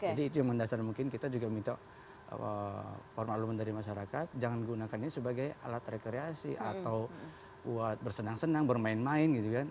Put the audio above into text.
jadi itu yang mendasar mungkin kita juga minta pemerintah dari masyarakat jangan gunakannya sebagai alat rekreasi atau buat bersenang senang bermain main gitu kan